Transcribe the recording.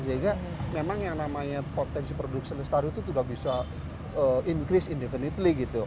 sehingga memang yang namanya potensi production listario itu juga bisa increase indefinitely gitu